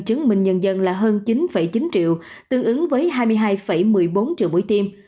chứng minh nhân dân là hơn chín chín triệu tương ứng với hai mươi hai một mươi bốn triệu buổi tiêm